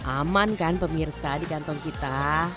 aman kan pemirsa di kantong kita